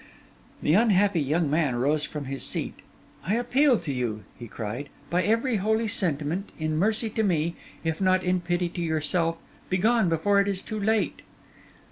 The unhappy young man rose from his seat. 'I appeal to you,' he cried, 'by every holy sentiment, in mercy to me, if not in pity to yourself, begone before it is too late.